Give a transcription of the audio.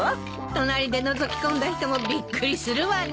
隣でのぞき込んだ人もびっくりするわね。